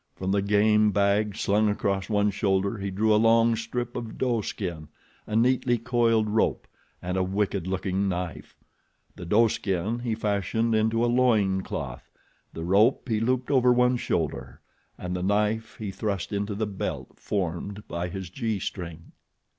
From the game bag slung across one shoulder he drew a long strip of doe skin, a neatly coiled rope, and a wicked looking knife. The doe skin, he fashioned into a loin cloth, the rope he looped over one shoulder, and the knife he thrust into the belt formed by his gee string.